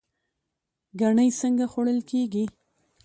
ګنی څنګه خوړل کیږي؟